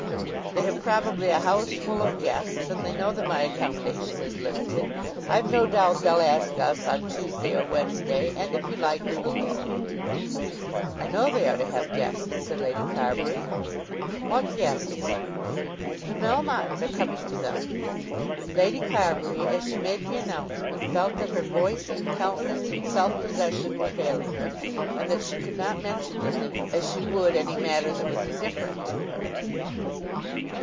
They have probably a house full of guests, and they know that my accommodation is limited. I've no doubt they'll ask us on Tuesday or Wednesday, and if you like we will go." "I know they are to have guests," said Lady Carbury. "What guests?" "The Melmottes are coming to them." Lady Carbury, as she made the announcement, felt that her voice and countenance and self possession were failing her, and that she could not mention the thing as she would any matter that was indifferent to her.